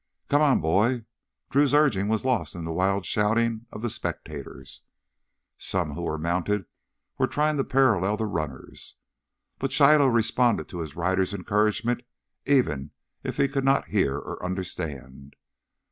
"Come on, boy!" Drew's urging was lost in the wild shouting of the spectators. Some who were mounted were trying to parallel the runners. But Shiloh responded to his rider's encouragement even if he could not hear or understand.